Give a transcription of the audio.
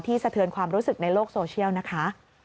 สะเทือนความรู้สึกในโลกโซเชียลนะคะ